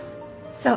そう。